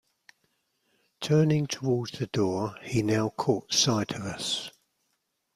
Turning towards the door, he now caught sight of us.